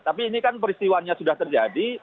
tapi ini kan peristiwanya sudah terjadi